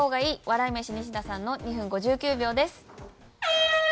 笑い飯西田さんの２分５９秒です。